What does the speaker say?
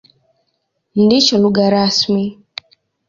Ndicho lugha rasmi.